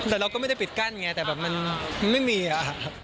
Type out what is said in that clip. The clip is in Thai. แต่เราก็ไม่ได้ปิดกั้นไงแต่แบบมันไม่มีอ่ะครับ